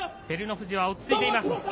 照ノ富士は落ち着いています。